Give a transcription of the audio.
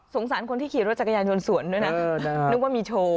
สารคนที่ขี่รถจักรยานยนต์สวนด้วยนะนึกว่ามีโชว์